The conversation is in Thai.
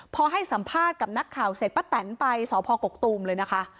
พอให้สัมภาษณ์กับนักข่าวเสร็จป้าแตนไปสพกกตูมเลยนะคะ